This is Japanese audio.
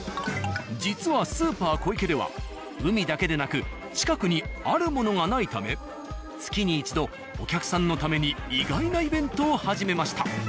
実は「すーぱーこいけ」では海だけでなく近くにあるものがないため月に一度お客さんのために意外なイベントを始めました。